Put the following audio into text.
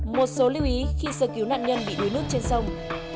một số lưu ý khi sơ cứu nạn nhân bị đuối nước trên sông